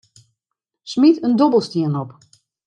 Smyt in dobbelstien op.